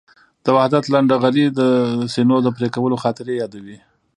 د وحدت لنډهغري د سینو د پرېکولو خاطرې یادوي.